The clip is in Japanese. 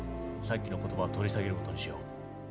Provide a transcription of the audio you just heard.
さっきの言葉は取り下げる事にしよう。